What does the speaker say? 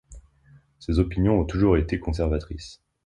Ses opinions ont toujours été conservatrices.